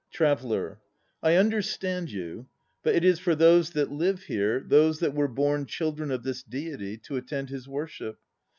TRAVELLER. I understand you. But it is for those that live here, those that were born children of this Deity, to attend his worship.